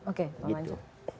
oke bang wajib